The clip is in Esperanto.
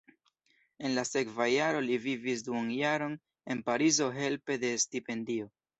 En la sekva jaro li vivis duonjaron en Parizo helpe de stipendio.